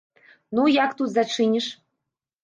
Ну, як тут зачыніш?